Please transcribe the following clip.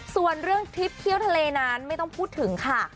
ส่วนเรื่องทริปเที่ยวทะเลนั้นไม่ต้องพูดถึงค่ะ